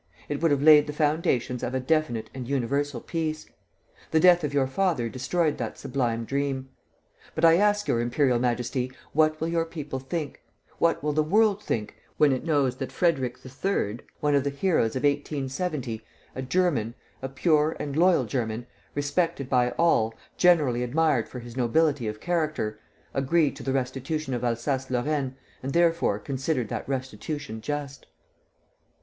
It would have laid the foundations of a definite and universal peace. The death of your father destroyed that sublime dream. But I ask Your Imperial Majesty, what will your people think, what will the world think, when it knows that Frederick III., one of the heroes of 1870, a German, a pure and loyal German, respected by all, generally admired for his nobility of character, agreed to the restitution of Alsace Lorraine and therefore considered that restitution just?"